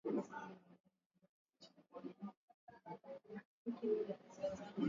Bei ya petroli na dizeli iliongezeka kwa shilingi mia tatu ishirini na moja za Tanzania (dola kumi na nne)